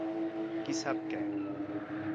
Qui sap què.